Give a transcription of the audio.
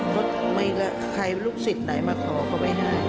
เพราะใครลูกศิษย์ไหนมาขอก็ไม่ให้